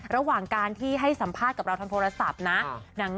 ระหว่างการที่ให้สัมภาษณ์กับเราทางโทรศัพท์นะ